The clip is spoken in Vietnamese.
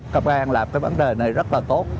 công an làm cái vấn đề này rất là tốt